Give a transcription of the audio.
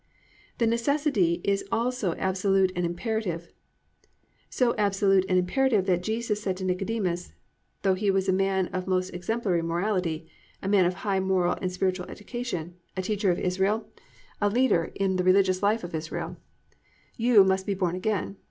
The necessity is also absolute and imperative, so absolute and imperative that Jesus said to Nicodemus, though he was a man of most exemplary morality, a man of high moral and spiritual education, a teacher of Israel, a leader in the religious life of Israel, +"You must be born again."